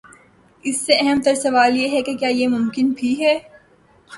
اس سے اہم تر سوال یہ ہے کہ کیا یہ ممکن بھی ہے؟